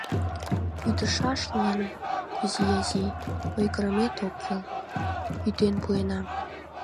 Ӱдышашлан, Кузий изай, ойгырымет ок кӱл, ӱден пуэна.